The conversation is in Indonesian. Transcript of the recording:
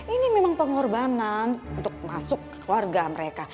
ini memang pengorbanan untuk masuk keluarga mereka